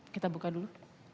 kita buka dulu